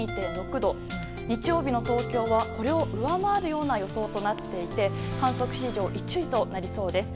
日曜日の東京はこれを上回るような予想となっていて観測史上１位となりそうです。